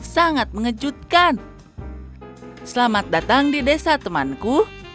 sangat mengejutkan selamat datang di desa temanku